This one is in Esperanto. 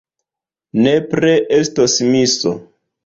Nepre estos miso.